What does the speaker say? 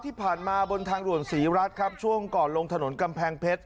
ที่ผ่านมาบนทางด่วนศรีรัฐครับช่วงก่อนลงถนนกำแพงเพชร